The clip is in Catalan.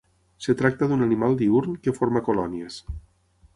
Es tracta d'un animal diürn que forma colònies.